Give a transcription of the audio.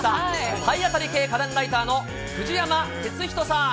体当たり系家電ライターの藤山哲人さん。